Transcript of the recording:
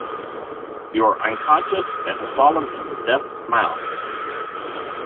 You are unconscious, and have fallen into Death's mouth.